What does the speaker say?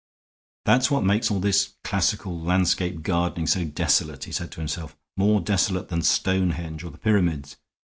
"That's what makes all this classical landscape gardening so desolate," he said to himself. "More desolate than Stonehenge or the Pyramids.